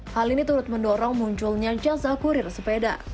hal ini turut mendorong munculnya jasa kurir sepeda